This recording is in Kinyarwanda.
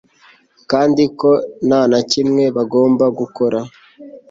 kandi ko nta na kimwe bagomba gukora